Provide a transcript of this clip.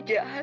lo jahat ben